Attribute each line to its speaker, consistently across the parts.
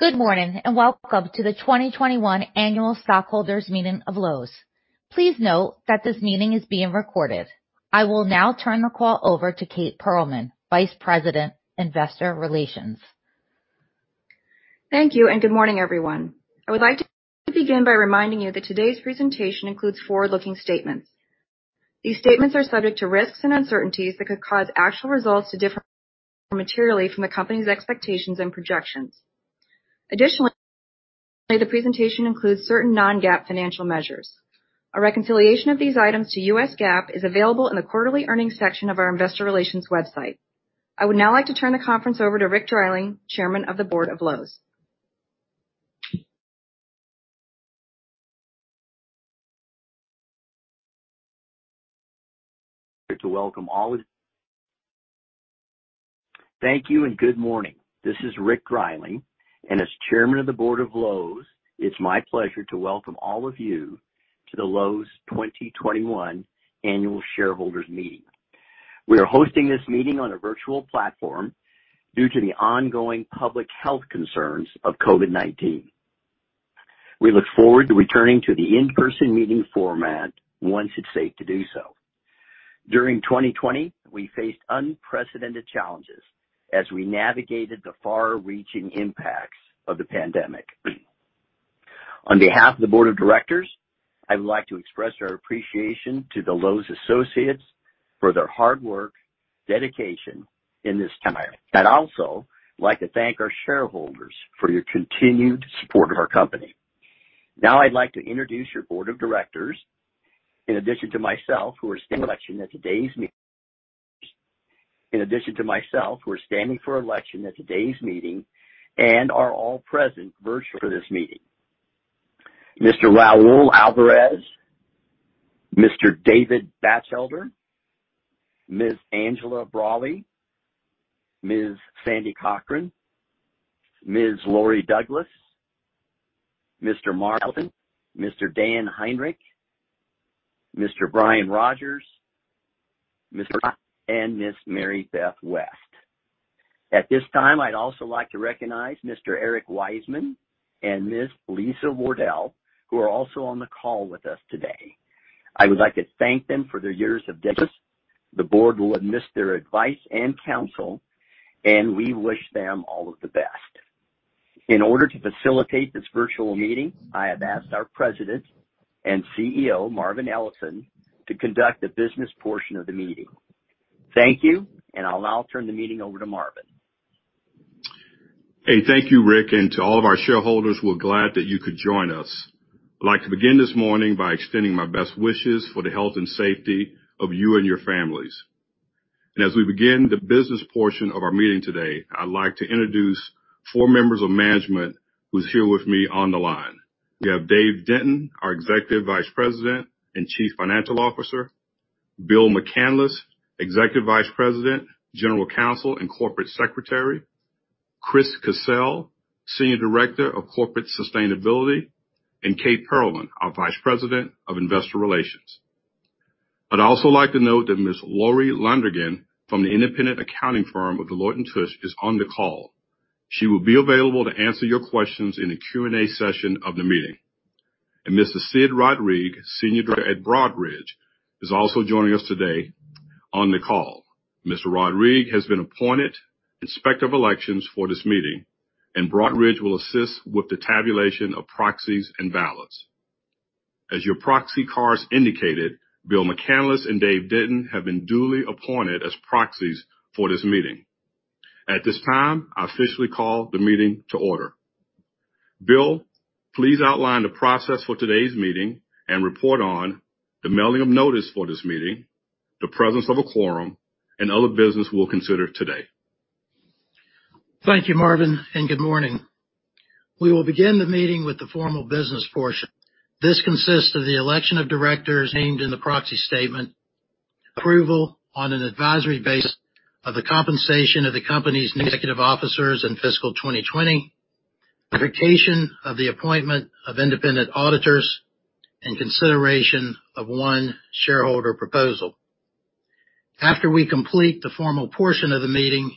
Speaker 1: Good morning, and welcome to the 2021 Annual Stockholders Meeting of Lowe's. Please note that this meeting is being recorded. I will now turn the call over to Kate Pearlman, Vice President, Investor Relations.
Speaker 2: Thank you, and good morning, everyone. I would like to begin by reminding you that today's presentation includes forward-looking statements. These statements are subject to risks and uncertainties that could cause actual results to differ materially from the company's expectations and projections. Additionally, the presentation includes certain non-GAAP financial measures. A reconciliation of these items to U.S. GAAP is available in the quarterly earnings section of our investor relations website. I would now like to turn the conference over to Rich Dreiling, Chairman of the Board of Lowe's.
Speaker 3: Thank you. Good morning. This is Rich Dreiling, and as Chairman of the Board of Lowe's, it's my pleasure to welcome all of you to the Lowe's 2021 Annual Shareholders Meeting. We are hosting this meeting on a virtual platform due to the ongoing public health concerns of COVID-19. We look forward to returning to the in-person meeting format once it's safe to do so. During 2020, we faced unprecedented challenges as we navigated the far-reaching impacts of the pandemic. On behalf of the Board of Directors, I would like to express our appreciation to the Lowe's associates for their hard work, dedication in this time. I'd also like to thank our shareholders for your continued support of our company. Now I'd like to introduce your Board of Directors, in addition to myself, who are standing for election at today's meeting and are all present virtually for this meeting. Mr. Raul Alvarez, Mr. David Batchelder, Ms. Angela Braly, Ms. Sandy Cochran, Ms. Laurie Douglas, Mr. Marvin, Mr. Dan Heinrich, Mr. Brian Rogers, Mr. Bertram Scott and Ms. Mary Beth West. At this time, I'd also like to recognize Mr. Eric Wiseman and Ms. Lisa Wardell, who are also on the call with us today. I would like to thank them for their years of service. The Board will miss their advice and counsel, and we wish them all of the best. In order to facilitate this virtual meeting, I have asked our President and CEO, Marvin Ellison, to conduct the business portion of the meeting. Thank you, and I'll now turn the meeting over to Marvin.
Speaker 4: Hey, thank you, Rich, and to all of our shareholders, we're glad that you could join us. I'd like to begin this morning by extending my best wishes for the health and safety of you and your families. As we begin the business portion of our meeting today, I'd like to introduce four members of management who's here with me on the line. We have Dave Denton, our Executive Vice President and Chief Financial Officer, Bill McCanless, Executive Vice President, General Counsel, and Corporate Secretary, Chris Cassell, Senior Director of Corporate Sustainability, and Kate Pearlman, our Vice President of Investor Relations. I'd also like to note that Ms. Lori Landrigan from the Independent Accounting Firm of Deloitte & Touche is on the call. She will be available to answer your questions in the Q&A session of the meeting. Mr. Sid Rodrigue, Senior Director at Broadridge, is also joining us today on the call. Mr. Rodrigue has been appointed Inspector of Elections for this meeting, and Broadridge will assist with the tabulation of proxies and ballots. As your proxy cards indicated, Bill McCanless and Dave Denton have been duly appointed as proxies for this meeting. At this time, I officially call the meeting to order. Bill, please outline the process for today's meeting and report on the mailing of notice for this meeting, the presence of a quorum, and other business we'll consider today.
Speaker 5: Thank you, Marvin, and good morning. We will begin the meeting with the formal business portion. This consists of the Election of Directors named in the proxy statement, approval on an advisory basis of the compensation of the company's executive officers in fiscal 2020, ratification of the appointment of independent auditors, and consideration of one shareholder proposal. After we complete the formal portion of the meeting,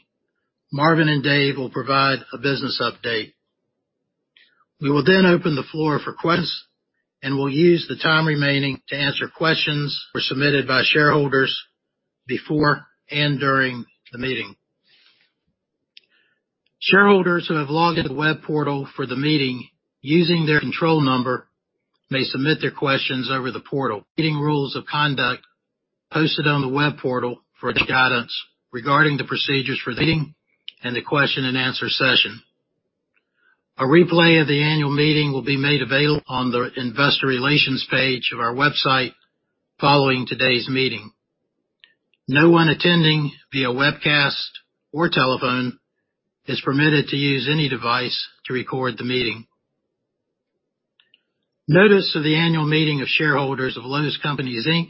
Speaker 5: Marvin and Dave will provide a business update. We will then open the floor for questions, and we'll use the time remaining to answer questions submitted by shareholders before and during the meeting. Shareholders who have logged into the web portal for the meeting using their control number may submit their questions over the portal. Meeting rules of conduct posted on the web portal for guidance regarding the procedures for the meeting and the question and answer session. A replay of the annual meeting will be made available on the investor relations page of our website following today's meeting. No one attending via webcast or telephone is permitted to use any device to record the meeting. Notice of the annual meeting of shareholders of Lowe's Companies, Inc.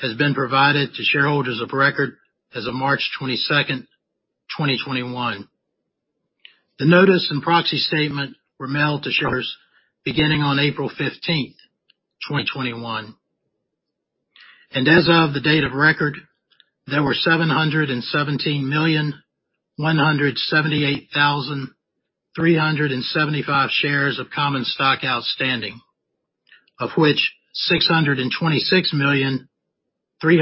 Speaker 5: has been provided to shareholders of record as of March 22nd, 2021. The notice and proxy statement were mailed to shareholders beginning on April 15th, 2021. As of the date of record, there were 717,178,375 shares of common stock outstanding, of which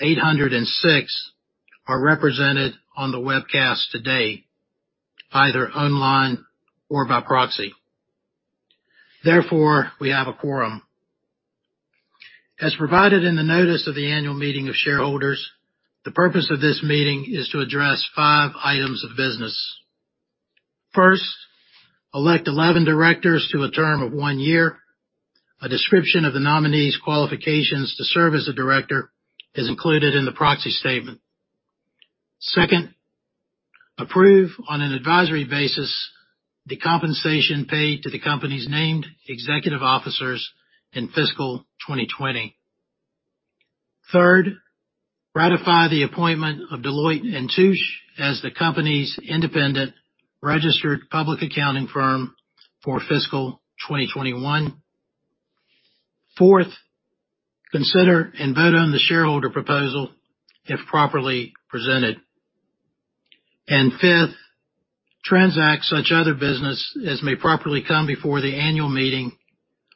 Speaker 5: 626,373,806 are represented on the webcast today, either online or by proxy. Therefore, we have a quorum. As provided in the notice of the annual meeting of shareholders, the purpose of this meeting is to address five items of business. First, elect 11 directors to a term of one year. A description of the nominees' qualifications to serve as a Director is included in the proxy statement. Second, approve on an advisory basis the compensation paid to the company's named executive officers in fiscal 2020. Third, ratify the appointment of Deloitte & Touche as the company's independent registered public accounting firm for fiscal 2021. Fourth, consider and vote on the shareholder proposal if properly presented. Fifth, transact such other business as may properly come before the annual meeting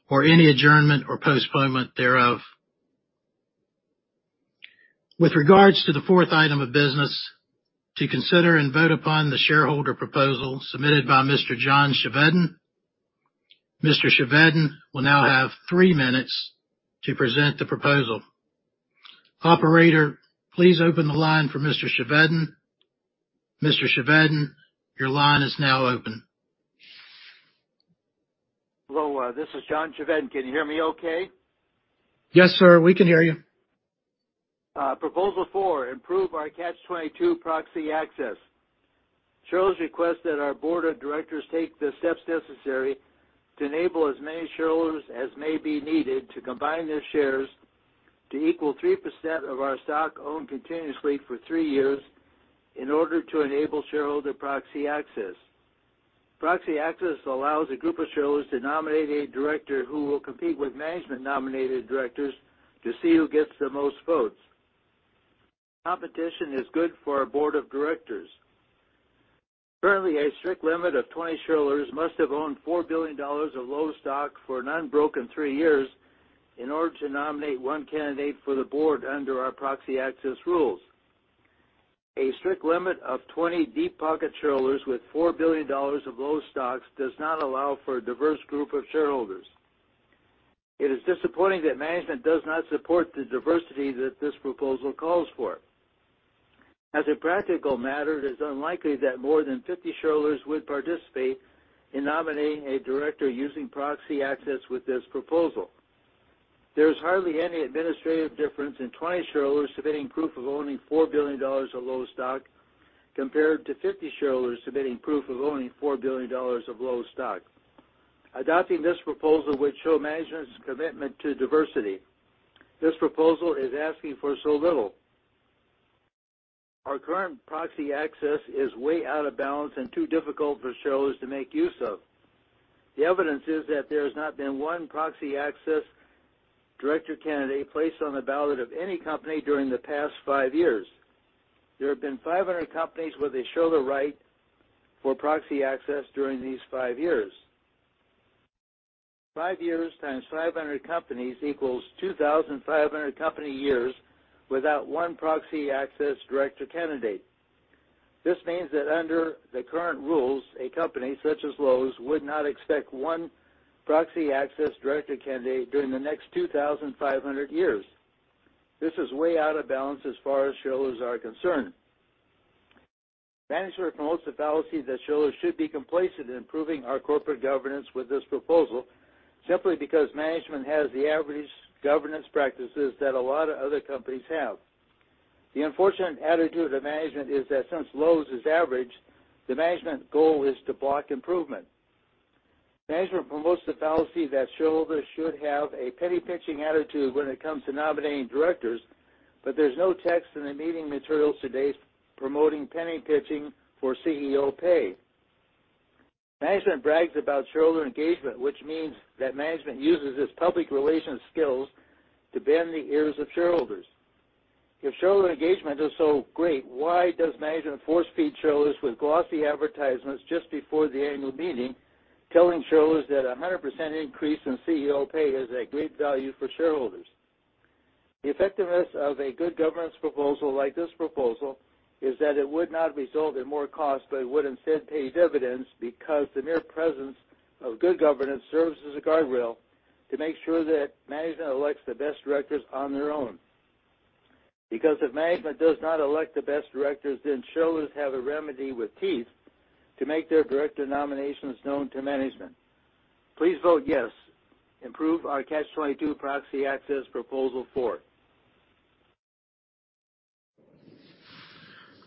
Speaker 5: or any adjournment or postponement thereof. With regards to the fourth item of business, to consider and vote upon the shareholder proposal submitted by Mr. John Chevedden, Mr. Chevedden will now have three minutes to present the proposal. Operator, please open the line for Mr. Chevedden. Mr. Chevedden, your line is now open.
Speaker 6: Hello, this is John Chevedden. Can you hear me okay?
Speaker 5: Yes, sir. We can hear you.
Speaker 6: Proposal four, improve our Catch-22 proxy access. Shareholders request that our Board of Directors take the steps necessary to enable as many shareholders as may be needed to combine their shares to equal 3% of our stock owned continuously for three years in order to enable shareholder proxy access. Proxy access allows a group of shareholders to nominate a Director who will compete with management-nominated directors to see who gets the most votes. Competition is good for a Board of Directors. Currently, a strict limit of 20 shareholders must have owned $4 billion of Lowe's stock for an unbroken three years in order to nominate one candidate for the board under our proxy access rules. A strict limit of 20 deep-pocket shareholders with $4 billion of Lowe's stocks does not allow for a diverse group of shareholders. It is disappointing that management does not support the diversity that this proposal calls for. As a practical matter, it is unlikely that more than 50 shareholders would participate in nominating a Director using proxy access with this proposal. There's hardly any administrative difference in 20 shareholders submitting proof of owning $4 billion of Lowe's stock compared to 50 shareholders submitting proof of owning $4 billion of Lowe's stock. Adopting this proposal would show management's commitment to diversity. This proposal is asking for so little. Our current proxy access is way out of balance and too difficult for shareholders to make use of. The evidence is that there has not been one proxy access director candidate placed on the ballot of any company during the past five years. There have been 500 companies where they show the right for proxy access during these five years. Five years times 500 companies equals 2,500 company years without one proxy access director candidate. This means that under the current rules, a company such as Lowe's would not expect one proxy access director candidate during the next 2,500 years. This is way out of balance as far as shareholders are concerned. Management promotes the fallacy that shareholders should be complacent in improving our corporate governance with this proposal simply because management has the average governance practices that a lot of other companies have. The unfortunate attitude of management is that since Lowe's is average, the management goal is to block improvement. Management promotes the fallacy that shareholders should have a penny-pinching attitude when it comes to nominating directors, but there's no text in the meeting materials today promoting penny-pinching for CEO pay. Management brags about shareholder engagement, which means that management uses its public relations skills to bend the ears of shareholders. If shareholder engagement is so great, why does management force-feed shareholders with glossy advertisements just before the annual meeting telling shareholders that 100% increase in CEO pay is a great value for shareholders? The effectiveness of a good governance proposal like this proposal is that it would not result in more cost, but it would instead pay dividends because the mere presence of good governance serves as a guardrail to make sure that management elects the best directors on their own. If management does not elect the best directors, then shareholders have a remedy with teeth to make their director nominations known to management. Please vote yes. Improve our Catch-22 proxy access, proposal four.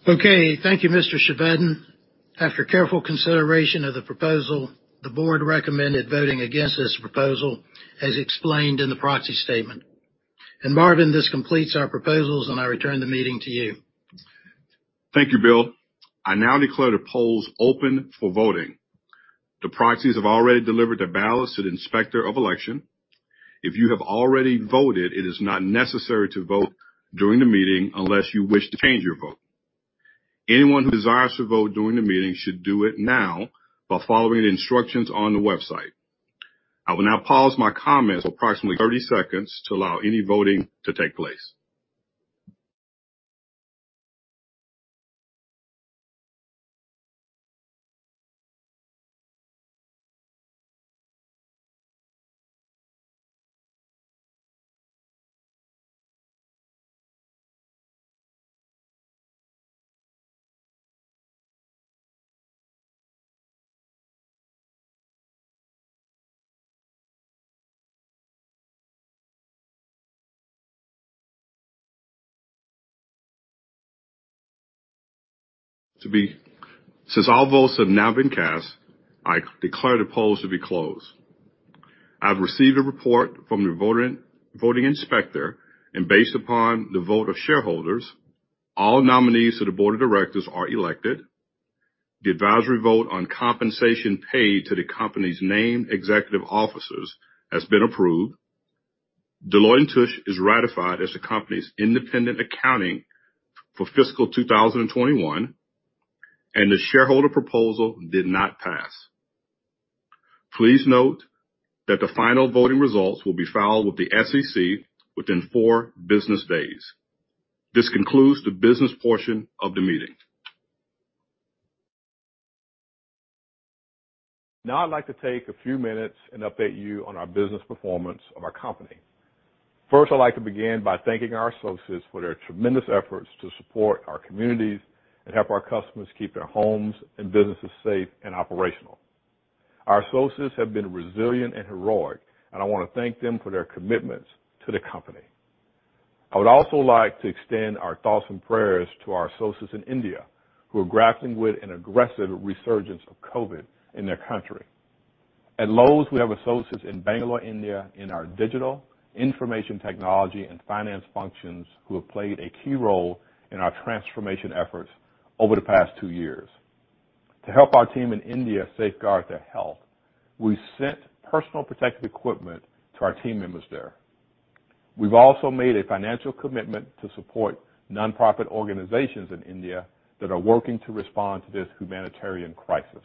Speaker 5: Okay. Thank you, Mr. Chevedden. After careful consideration of the proposal, the Board recommended voting against this proposal, as explained in the proxy statement. And Marvin, this completes our proposals, and I return the meeting to you.
Speaker 4: Thank you, Bill. I now declare the polls open for voting. The proxies have already delivered the ballots to the Inspector of Election. If you have already voted, it is not necessary to vote during the meeting unless you wish to change your vote. Anyone who desires to vote during the meeting should do it now by following the instructions on the website. I will now pause my comments for approximately 30 seconds to allow any voting to take place. All votes have now been cast, I declare the polls to be closed. I've received a report from the voting inspector, and based upon the vote of shareholders, all nominees to the Board of Directors are elected. The advisory vote on compensation paid to the company's named Executive Officers has been approved. Deloitte & Touche is ratified as the company's independent accounting for fiscal 2021, and the shareholder proposal did not pass. Please note that the final voting results will be filed with the SEC within four business days. This concludes the business portion of the meeting. Now I'd like to take a few minutes and update you on our business performance of our company. First, I'd like to begin by thanking our associates for their tremendous efforts to support our communities and help our customers keep their homes and businesses safe and operational. Our associates have been resilient and heroic, and I want to thank them for their commitments to the company. I would also like to extend our thoughts and prayers to our associates in India who are grappling with an aggressive resurgence of COVID in their country. At Lowe's, we have associates in Bangalore, India, in our digital information technology and finance functions who have played a key role in our transformation efforts over the past two years. To help our team in India safeguard their health, we sent personal protective equipment to our team members there. We've also made a financial commitment to support non-profit organizations in India that are working to respond to this humanitarian crisis.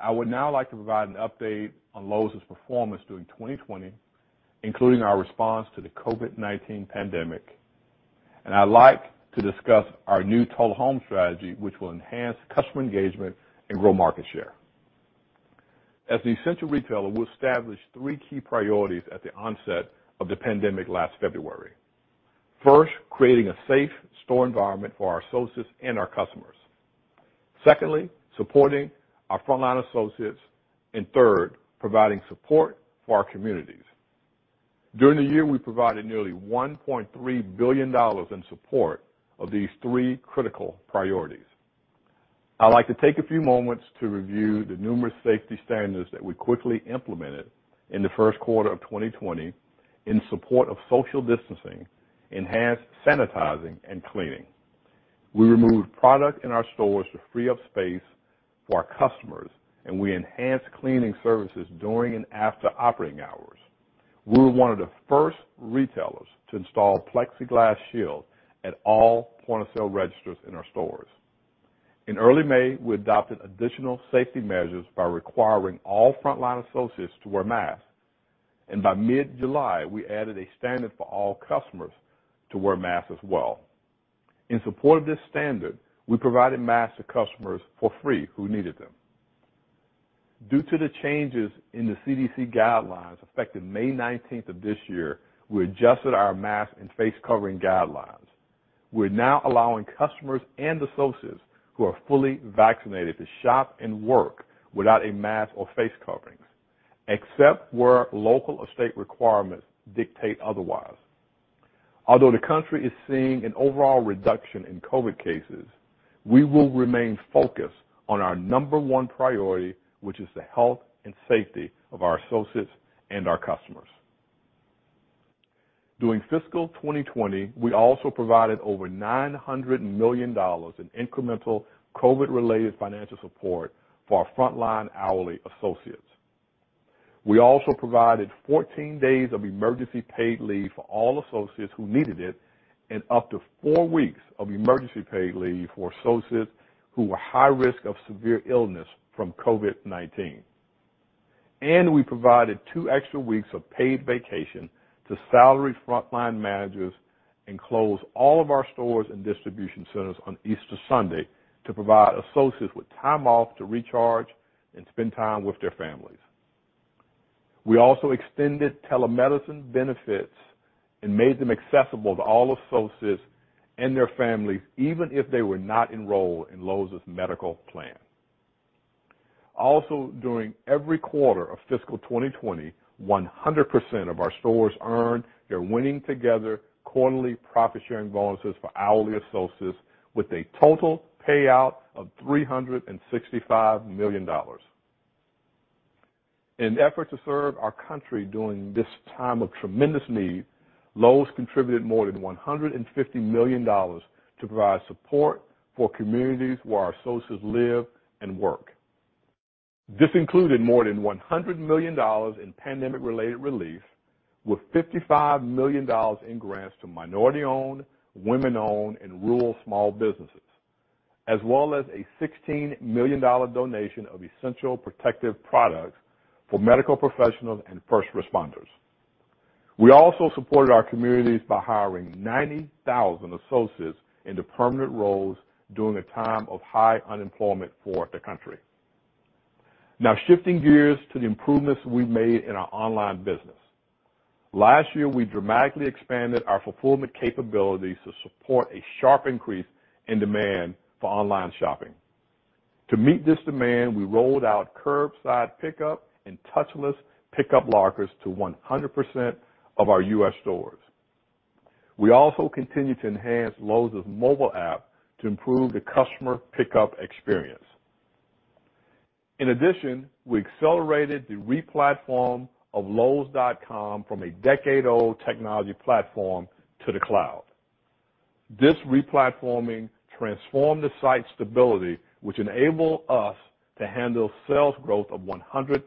Speaker 4: I would now like to provide an update on Lowe's performance during 2020, including our response to the COVID-19 pandemic, and I'd like to discuss our new Total Home strategy, which will enhance customer engagement and grow market share. As the essential retailer, we established three key priorities at the onset of the pandemic last February. First, creating a safe store environment for our associates and our customers. Secondly, supporting our frontline associates, and third, providing support for our communities. During the year, we provided nearly $1.3 billion in support of these three critical priorities. I'd like to take a few moments to review the numerous safety standards that we quickly implemented in the first quarter of 2020 in support of social distancing, enhanced sanitizing, and cleaning. We removed product in our stores to free up space for our customers, and we enhanced cleaning services during and after operating hours. We were one of the first retailers to install plexiglass shields at all point-of-sale registers in our stores. In early May, we adopted additional safety measures by requiring all frontline associates to wear masks, and by mid-July, we added a standard for all customers to wear masks as well. In support of this standard, we provided masks to customers for free who needed them. Due to the changes in the CDC guidelines effective May 19th of this year, we adjusted our mask and face covering guidelines. We're now allowing customers and associates who are fully vaccinated to shop and work without a mask or face coverings, except where local or state requirements dictate otherwise. Although the country is seeing an overall reduction in COVID cases, we will remain focused on our number one priority, which is the health and safety of our associates and our customers. During fiscal 2020, we also provided over $900 million in incremental COVID-related financial support for our frontline hourly associates. We also provided 14 days of emergency paid leave for all associates who needed it and up to four weeks of emergency paid leave for associates who were high risk of severe illness from COVID-19. We provided two extra weeks of paid vacation to salaried frontline managers and closed all of our stores and distribution centers on Easter Sunday to provide associates with time off to recharge and spend time with their families. We also extended telemedicine benefits and made them accessible to all associates and their families, even if they were not enrolled in Lowe's medical plan. During every quarter of fiscal 2020, 100% of our stores earned their Winning Together quarterly profit-sharing bonuses for hourly associates with a total payout of $365 million. In an effort to serve our country during this time of tremendous need, Lowe's contributed more than $150 million to provide support for communities where our associates live and work. This included more than $100 million in pandemic-related relief, with $55 million in grants to minority-owned, women-owned, and rural small businesses, as well as a $16 million donation of essential protective products for medical professionals and first responders. We also supported our communities by hiring 90,000 associates into permanent roles during a time of high unemployment for the country. Now shifting gears to the improvements we made in our online business. Last year, we dramatically expanded our fulfillment capabilities to support a sharp increase in demand for online shopping. To meet this demand, we rolled out curbside pickup and touchless pickup lockers to 100% of our U.S. stores. We also continued to enhance Lowe's mobile app to improve the customer pickup experience. In addition, we accelerated the re-platform of lowes.com from a decade-old technology platform to the cloud. This re-platforming transformed the site's stability, which enabled us to handle sales growth of 111%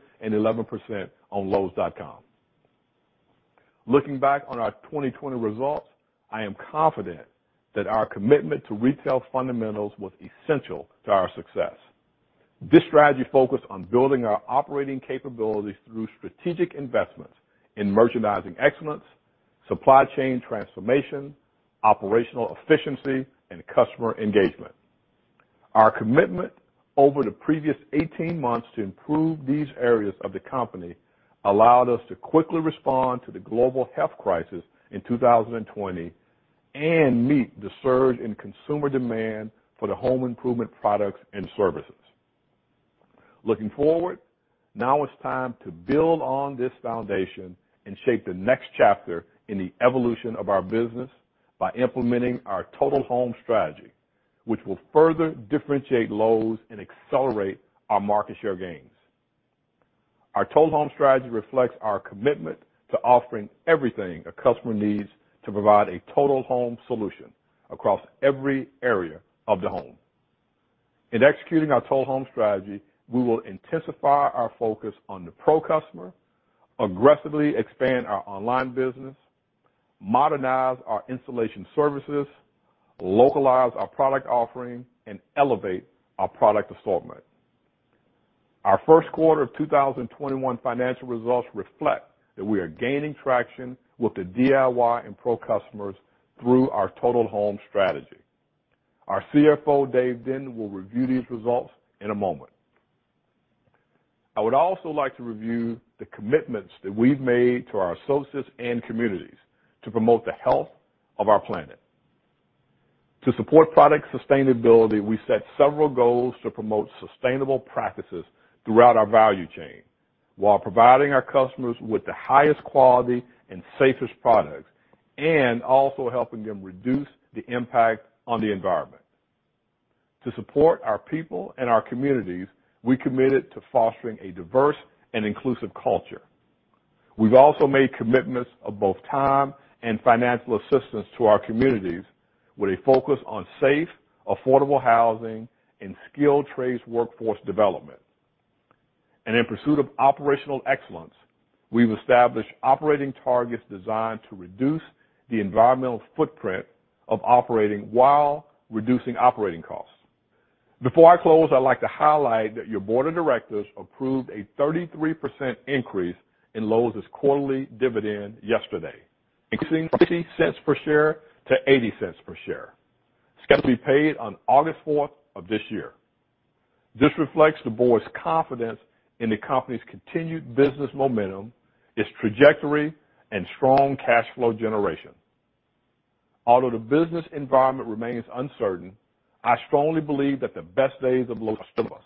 Speaker 4: on lowes.com. Looking back on our 2020 results, I am confident that our commitment to retail fundamentals was essential to our success. This strategy focused on building our operating capabilities through strategic investments in merchandising excellence, supply chain transformation, operational efficiency, and customer engagement. Our commitment over the previous 18 months to improve these areas of the company allowed us to quickly respond to the global health crisis in 2020 and meet the surge in consumer demand for home improvement products and services. Looking forward, now it's time to build on this foundation and shape the next chapter in the evolution of our business by implementing our Total Home strategy, which will further differentiate Lowe's and accelerate our market share gains. Our Total Home strategy reflects our commitment to offering everything a customer needs to provide a Total Home solution across every area of the home. In executing our Total Home strategy, we will intensify our focus on the pro customer, aggressively expand our online business, modernize our installation services, localize our product offering, and elevate our product assortment. Our first quarter of 2021 financial results reflect that we are gaining traction with the DIY and pro customers through our Total Home strategy. Our CFO, Dave Denney, will review these results in a moment. I would also like to review the commitments that we've made to our associates and communities to promote the health of our planet. To support product sustainability, we set several goals to promote sustainable practices throughout our value chain, while providing our customers with the highest quality and safest products, and also helping them reduce the impact on the environment. To support our people and our communities, we committed to fostering a diverse and inclusive culture. We've also made commitments of both time and financial assistance to our communities with a focus on safe, affordable housing and skilled trades workforce development. In pursuit of operational excellence, we've established operating targets designed to reduce the environmental footprint of operating while reducing operating costs. Before I close, I'd like to highlight that your Board of Directors approved a 33% increase in Lowe's quarterly dividend yesterday, increasing $0.50 per share to 0.80 per share. It's gonna be paid on August 4th of this year. This reflects the board's confidence in the company's continued business momentum, its trajectory, and strong cash flow generation. Although the business environment remains uncertain, I strongly believe that the best days of Lowe's are still ahead of us.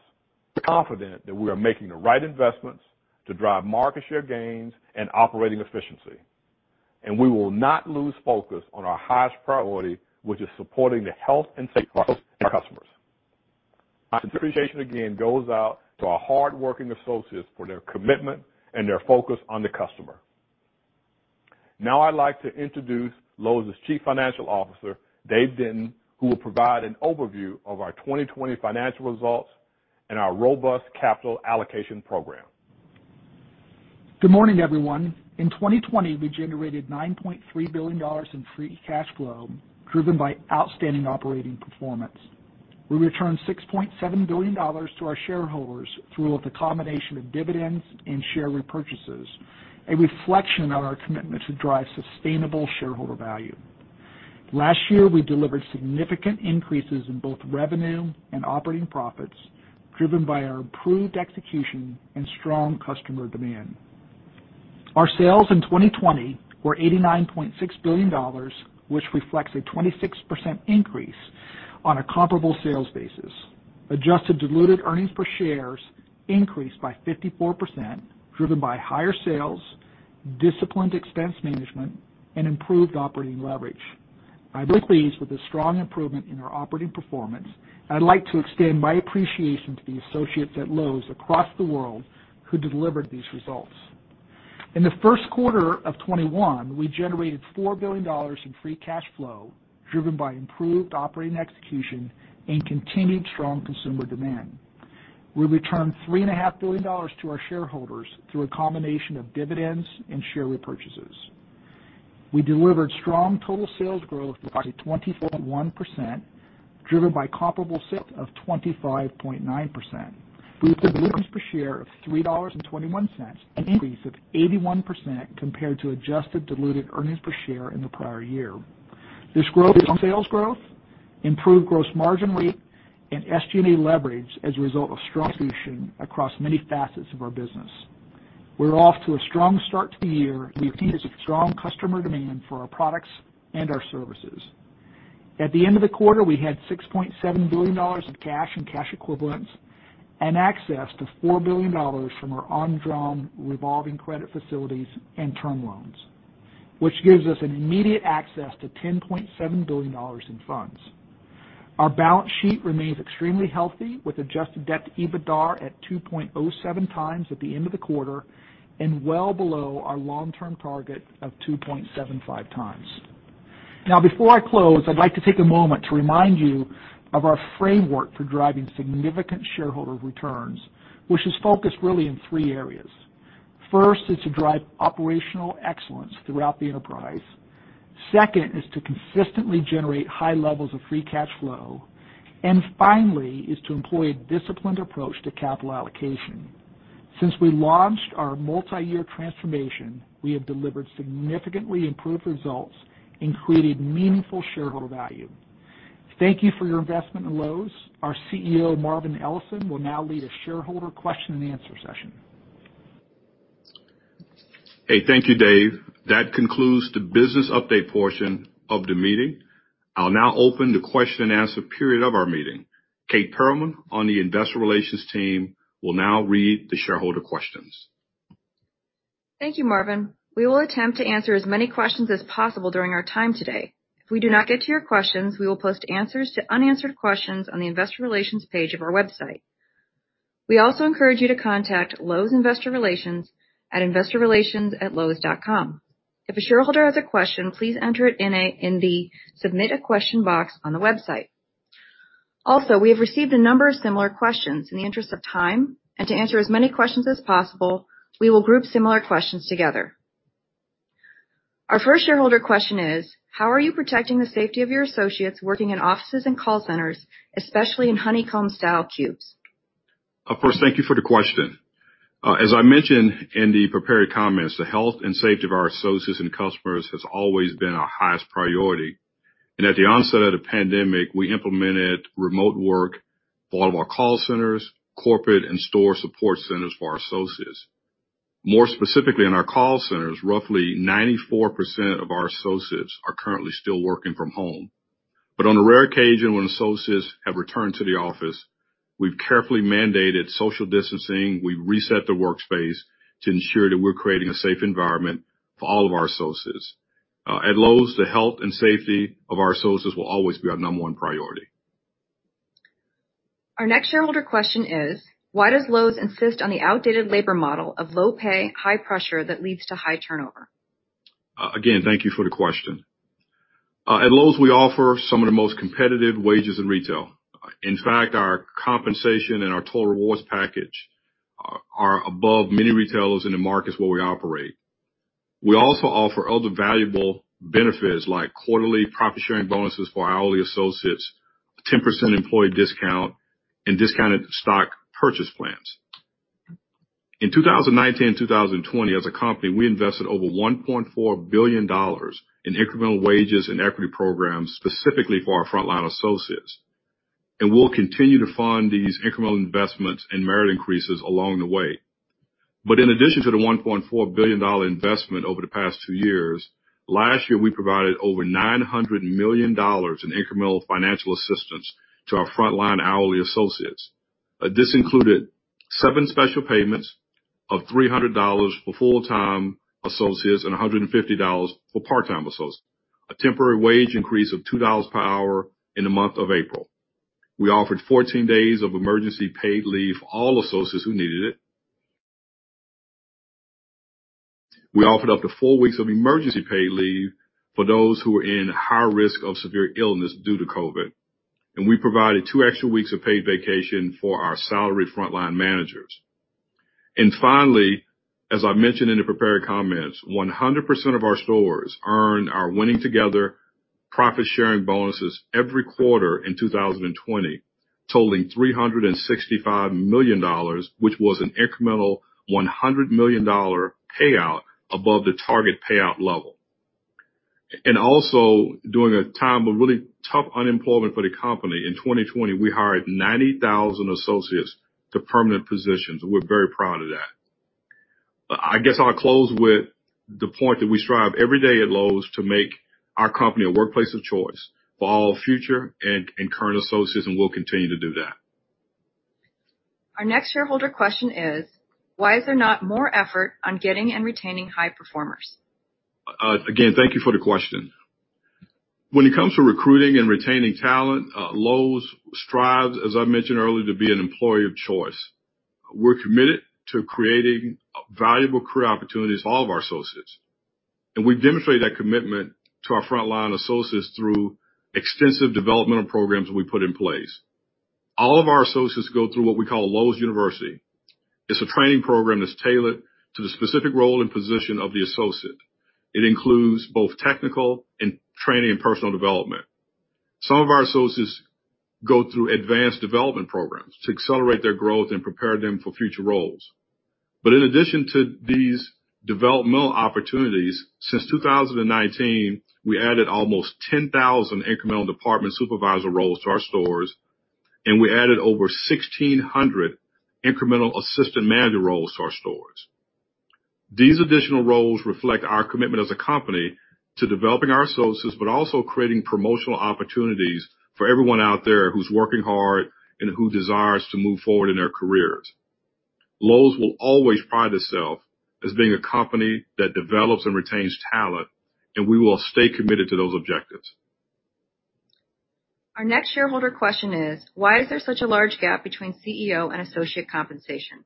Speaker 4: We're confident that we are making the right investments to drive market share gains and operating efficiency, and we will not lose focus on our highest priority, which is supporting the health and safety of our associates and our customers. My appreciation again goes out to our hardworking associates for their commitment and their focus on the customer. Now I'd like to introduce Lowe's Chief Financial Officer, Dave Denton, who will provide an overview of our 2020 financial results and our robust capital allocation program.
Speaker 7: Good morning, everyone. In 2020, we generated $9.3 billion in free cash flow, driven by outstanding operating performance. We returned $6.7 billion to our shareholders through a combination of dividends and share repurchases, a reflection of our commitment to drive sustainable shareholder value. Last year, we delivered significant increases in both revenue and operating profits, driven by our improved execution and strong customer demand. Our sales in 2020 were $89.6 billion, which reflects a 26% increase on a comparable sales basis. Adjusted diluted earnings per share increased by 54%, driven by higher sales, disciplined expense management, and improved operating leverage. I'm pleased with the strong improvement in our operating performance. I'd like to extend my appreciation to the associates at Lowe's across the world who delivered these results. In the first quarter of 2021, we generated $4 billion in free cash flow, driven by improved operating execution and continued strong consumer demand. We returned $3.5 billion to our shareholders through a combination of dividends and share repurchases. We delivered strong total sales growth of 24.1%, driven by comparable sales of 25.9%. We posted earnings per share of $3.21, an increase of 81% compared to adjusted diluted earnings per share in the prior year. This growth is on sales growth, improved gross margin rate, and SG&A leverage as a result of strong execution across many facets of our business. We're off to a strong start to the year and we have seen a strong customer demand for our products and our services. At the end of the quarter, we had $6.7 billion in cash and cash equivalents and access to $4 billion from our undrawn revolving credit facilities and term loans, which gives us an immediate access to $10.7 billion in funds. Our balance sheet remains extremely healthy, with adjusted debt to EBITDAR at 2.07x at the end of the quarter and well below our long-term target of 2.75x. Now, before I close, I'd like to take a moment to remind you of our framework for driving significant shareholder returns, which is focused really in three areas. First is to drive operational excellence throughout the enterprise. Second is to consistently generate high levels of free cash flow, and finally, is to employ a disciplined approach to capital allocation. Since we launched our multi-year transformation, we have delivered significantly improved results and created meaningful shareholder value. Thank you for your investment in Lowe's. Our CEO, Marvin Ellison, will now lead a shareholder question and answer session.
Speaker 4: Hey, thank you, Dave. That concludes the business update portion of the meeting. I'll now open the question and answer period of our meeting. Kate Pearlman on the Investor Relations team will now read the shareholder questions.
Speaker 2: Thank you, Marvin. We will attempt to answer as many questions as possible during our time today. If we do not get to your questions, we will post answers to unanswered questions on the investor relations page of our website. We also encourage you to contact Lowe's Investor Relations at investorrelations@lowes.com. If a shareholder has a question, please enter it in the Submit a Question box on the website. Also, we have received a number of similar questions. In the interest of time and to answer as many questions as possible, we will group similar questions together. Our first shareholder question is: How are you protecting the safety of your associates working in offices and call centers, especially in honeycomb-style cubes?
Speaker 4: Of course. Thank you for the question. As I mentioned in the prepared comments, the health and safety of our associates and customers has always been our highest priority. At the onset of the pandemic, we implemented remote work for all of our call centers, corporate and store support centers for our associates. More specifically, in our call centers, roughly 94% of our associates are currently still working from home. On the rare occasion when associates have returned to the office, we've carefully mandated social distancing. We've reset the workspace to ensure that we're creating a safe environment for all of our associates. At Lowe's, the health and safety of our associates will always be our number one priority.
Speaker 2: Our next shareholder question is: Why does Lowe's insist on the outdated labor model of low pay and high pressure that leads to high turnover?
Speaker 4: Again, thank you for the question. At Lowe's, we offer some of the most competitive wages in retail. In fact, our compensation and our total rewards package are above many retailers in the markets where we operate. We also offer other valuable benefits like quarterly profit-sharing bonuses for hourly associates, 10% employee discount, and discounted stock purchase plans. In 2019 and 2020, as a company, we invested over $1.4 billion in incremental wages and equity programs specifically for our frontline associates. We'll continue to fund these incremental investments and merit increases along the way. In addition to the $1.4 billion investment over the past two years, last year, we provided over $900 million in incremental financial assistance to our frontline hourly associates. This included seven special payments of $300 for full-time associates and 150 for part-time associates, a temporary wage increase of $2 per hour in the month of April. We offered 14 days of emergency paid leave for all associates who needed it. We offered up to four weeks of emergency paid leave for those who were in high risk of severe illness due to COVID, we provided two extra weeks of paid vacation for our salaried frontline managers. And finally, as I mentioned in the prepared comments, 100% of our stores earned our Winning Together profit-sharing bonuses every quarter in 2020, totaling $365 million, which was an incremental 100 million payout above the target payout level. Also, during a time of really tough unemployment for the company, in 2020, we hired 90,000 associates to permanent positions. We're very proud of that. I guess I'll close with the point that we strive every day at Lowe's to make our company a workplace of choice for all future and current associates, and we'll continue to do that.
Speaker 2: Our next shareholder question is: Why is there not more effort on getting and retaining high performers?
Speaker 4: Again, thank you for the question. When it comes to recruiting and retaining talent, Lowe's strives, as I mentioned earlier, to be an employer of choice. We're committed to creating valuable career opportunities for all of our associates, and we demonstrate that commitment to our frontline associates through extensive developmental programs we put in place. All of our associates go through what we call Lowe's University. It's a training program that's tailored to the specific role and position of the associate. It includes both technical and training and personal development. Some of our associates go through advanced development programs to accelerate their growth and prepare them for future roles. In addition to these developmental opportunities, since 2019, we added almost 10,000 incremental department supervisor roles to our stores, and we added over 1,600 incremental assistant manager roles to our stores. These additional roles reflect our commitment as a company to developing our associates, but also creating promotional opportunities for everyone out there who's working hard and who desires to move forward in their careers. Lowe's will always pride itself as being a company that develops and retains talent, and we will stay committed to those objectives.
Speaker 2: Our next shareholder question is: Why is there such a large gap between CEO and associate compensation?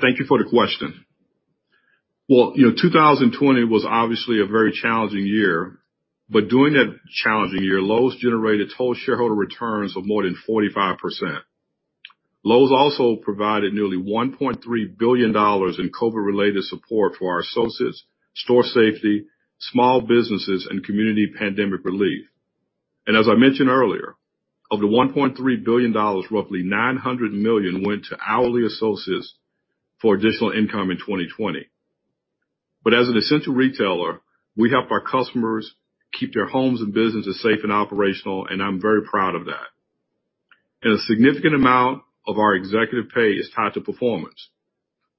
Speaker 4: Thank you for the question. Well, 2020 was obviously a very challenging year, but during that challenging year, Lowe's generated total shareholder returns of more than 45%. Lowe's also provided nearly $1.3 billion in COVID-related support to our associates, store safety, small businesses, and community pandemic relief. As I mentioned earlier, of the $1.3 billion, roughly 900 million went to hourly associates for additional income in 2020. As an essential retailer, we help our customers keep their homes and businesses safe and operational, and I'm very proud of that. A significant amount of our executive pay is tied to performance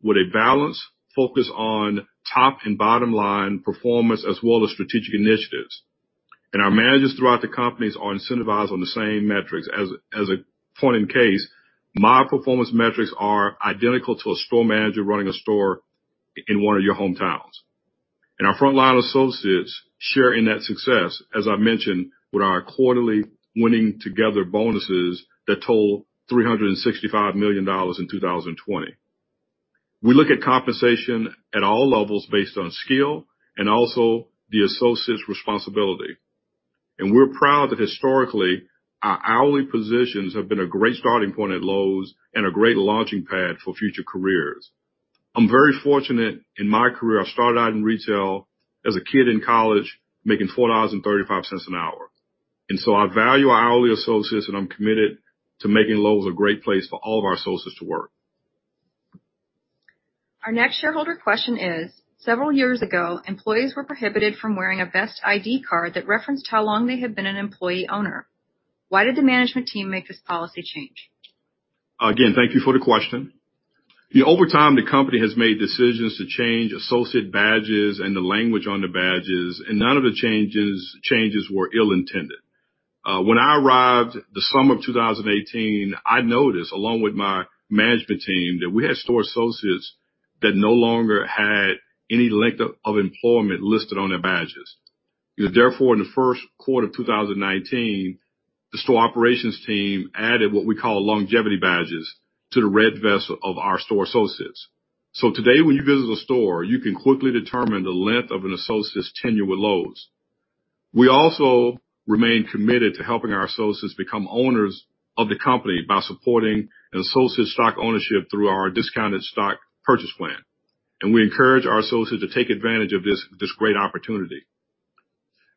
Speaker 4: with a balanced focus on top and bottom-line performance as well as strategic initiatives. Our managers throughout the company are incentivized on the same metrics. As a point in case, my performance metrics are identical to a store manager running a store in one of your hometowns. Our front-line associates share in that success, as I mentioned, with our quarterly Winning Together bonuses that total $365 million in 2020. We look at compensation at all levels based on skill and also the associate's responsibility. We're proud that historically, our hourly positions have been a great starting point at Lowe's and a great launching pad for future careers. I'm very fortunate in my career. I started out in retail as a kid in college making $4.35 an hour. I value our hourly associates, and I'm committed to making Lowe's a great place for all of our associates to work.
Speaker 2: Our next shareholder question is: Several years ago, employees were prohibited from wearing a vest ID card that referenced how long they had been an employee owner. Why did the management team make this policy change?
Speaker 4: Again, thank you for the question. Over time, the company has made decisions to change associate badges and the language on the badges, none of the changes were ill-intended. When I arrived the summer of 2018, I noticed, along with my management team, that we had store associates that no longer had any length of employment listed on their badges. Therefore, in the first quarter of 2019, the store operations team added what we call longevity badges to the red vest of our store associates. So today, when you visit a store, you can quickly determine the length of an associate's tenure with Lowe's. We also remain committed to helping our associates become owners of the company by supporting associate stock ownership through our discounted stock purchase plan. And we encourage our associates to take advantage of this great opportunity.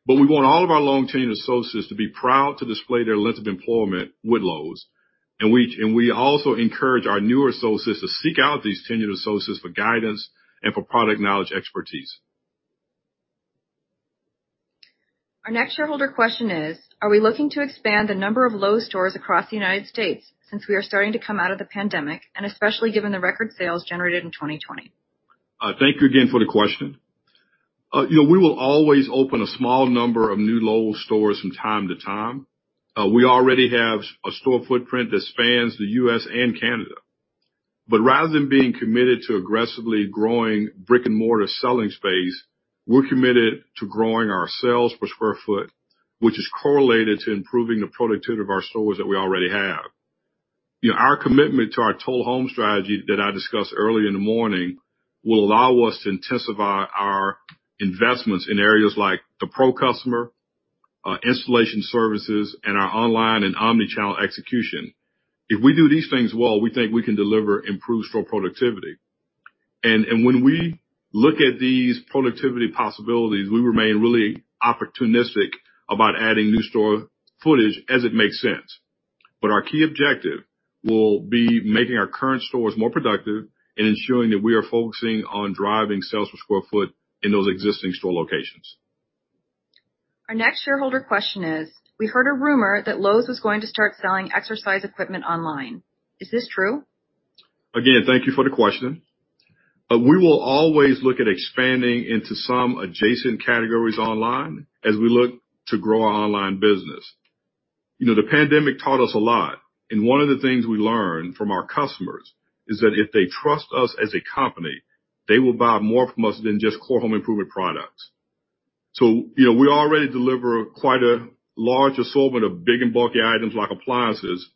Speaker 4: We want all of our long-tenured associates to be proud to display their length of employment with Lowe's, and we also encourage our newer associates to seek out these tenured associates for guidance and for product knowledge expertise.
Speaker 2: Our next shareholder question is: Are we looking to expand the number of Lowe's stores across the U.S. since we are starting to come out of the pandemic, and especially given the record sales generated in 2020?
Speaker 4: Thank you again for the question. We will always open a small number of new Lowe's stores from time to time. We already have a store footprint that spans the U.S. and Canada. Rather than being committed to aggressively growing brick-and-mortar selling space, we're committed to growing our sales per square foot, which is correlated to improving the productivity of our stores that we already have. Our commitment to our Total Home strategy that I discussed earlier in the morning will allow us to intensify our investments in areas like the pro customer, installation services, and our online and omnichannel execution. If we do these things well, we think we can deliver improved store productivity. When we look at these productivity possibilities, we remain really opportunistic about adding new store footage as it makes sense. Our key objective will be making our current stores more productive and ensuring that we are focusing on driving sales per square foot in those existing store locations.
Speaker 2: Our next shareholder question is: We heard a rumor that Lowe's is going to start selling exercise equipment online. Is this true?
Speaker 4: Again, thank you for the question. We will always look at expanding into some adjacent categories online as we look to grow our online business. You know, the pandemic taught us a lot, and one of the things we learned from our customers is that if they trust us as a company, they will buy more from us than just core home improvement products. So, you know, we already deliver quite a large assortment of big and bulky items like appliances.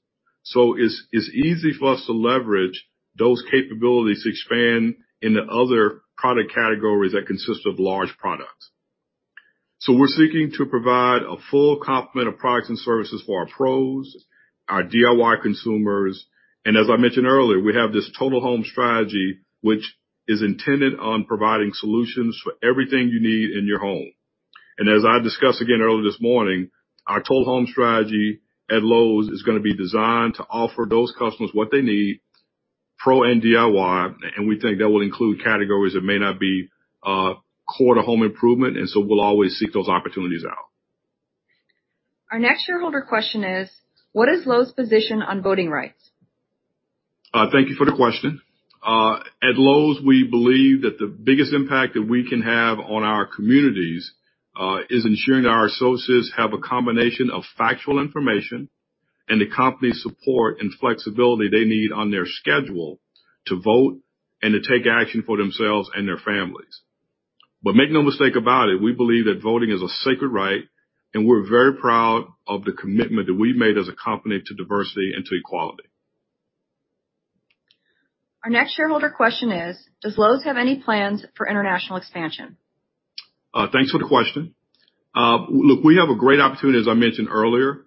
Speaker 4: So, it's easy for us to leverage those capabilities to expand into other product categories that consist of large products. We're seeking to provide a full complement of products and services for our pros, our DIY consumers, and as I mentioned earlier, we have this Total Home strategy, which is intended on providing solutions for everything you need in your home. And as I discussed again earlier this morning, our Total Home strategy at Lowe's is going to be designed to offer those customers what they need, pro and DIY, and we think that will include categories that may not be core to home improvement, and so we'll always seek those opportunities out.
Speaker 2: Our next shareholder question is: What is Lowe's position on voting rights?
Speaker 4: Thank you for the question. At Lowe's, we believe that the biggest impact that we can have on our communities is ensuring our associates have a combination of factual information and the company support and flexibility they need on their schedule to vote and to take action for themselves and their families. Make no mistake about it, we believe that voting is a sacred right, and we're very proud of the commitment that we've made as a company to diversity and to equality.
Speaker 2: Our next shareholder question is: Does Lowe's have any plans for international expansion?
Speaker 4: Thanks for the question. Look, we have a great opportunity, as I mentioned earlier,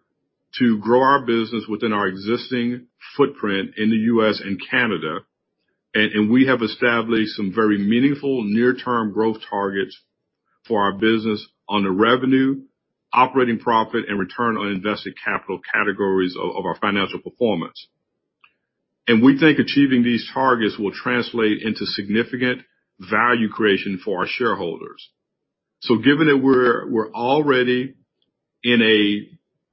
Speaker 4: to grow our business within our existing footprint in the U.S. and Canada. We have established some very meaningful near-term growth targets for our business on the revenue, operating profit, and return on invested capital categories of our financial performance. We think achieving these targets will translate into significant value creation for our shareholders. Given that we're already in a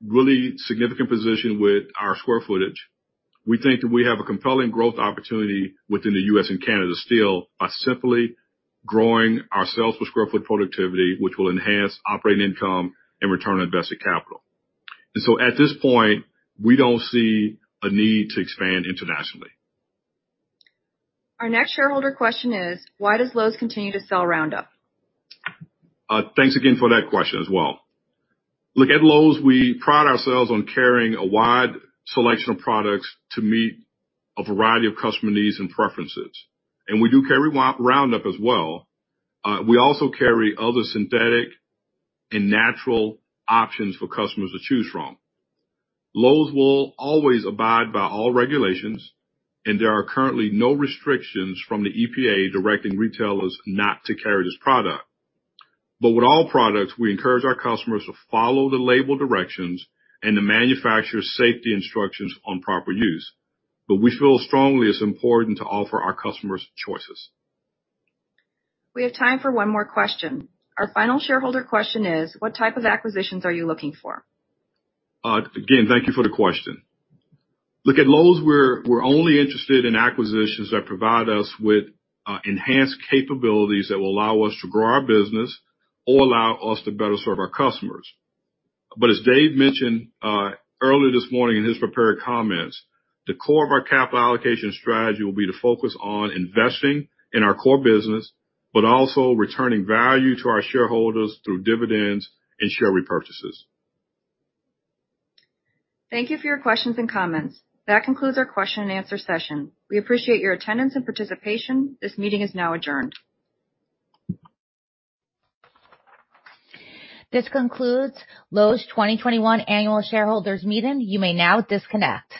Speaker 4: really significant position with our square footage, we think that we have a compelling growth opportunity within the U.S. and Canada still by simply growing our sales per square foot productivity, which will enhance operating income and return on invested capital. At this point, we don't see a need to expand internationally.
Speaker 2: Our next shareholder question is: Why does Lowe's continue to sell Roundup?
Speaker 4: Thanks again for that question as well. Look, at Lowe's, we pride ourselves on carrying a wide selection of products to meet a variety of customer needs and preferences, and we do carry Roundup as well. We also carry other synthetic and natural options for customers to choose from. Lowe's will always abide by all regulations, and there are currently no restrictions from the EPA directing retailers not to carry this product. With all products, we encourage our customers to follow the label directions and the manufacturer's safety instructions on proper use. We feel strongly it's important to offer our customers choices.
Speaker 2: We have time for one more question. Our final shareholder question is: What type of acquisitions are you looking for?
Speaker 4: Again, thank you for the question. Look, at Lowe's, we're only interested in acquisitions that provide us with enhanced capabilities that will allow us to grow our business or allow us to better serve our customers. As Dave mentioned earlier this morning in his prepared comments, the core of our capital allocation strategy will be to focus on investing in our core business but also returning value to our shareholders through dividends and share repurchases.
Speaker 2: Thank you for your questions and comments. That concludes our question and answer session. We appreciate your attendance and participation. This meeting is now adjourned.
Speaker 1: This concludes Lowe's 2021 Annual Shareholders Meeting. You may now disconnect.